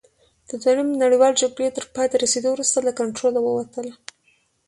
د دویمې نړیوالې جګړې تر پایته رسېدو وروسته له کنټروله ووتله.